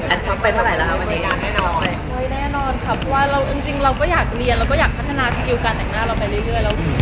อันชอบไปเท่าไรแล้วครับวันนี้แน่นอนครับว่าเราจริงจริงเราก็อยากเรียนเราก็อยากพัฒนาสกิลการแหน่งหน้าเราไปเรื่อยเรื่อยแล้ว